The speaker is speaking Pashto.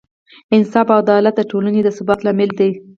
انصاف او عدالت د ټولنې د ثبات لامل دی.